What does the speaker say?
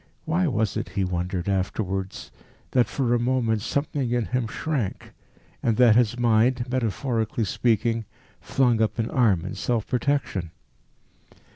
Why was it, he wondered afterwards, that for a moment something in him shrank, and that his mind, metaphorically speaking, flung up an arm in self protection?